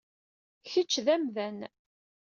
Kečč d amdan.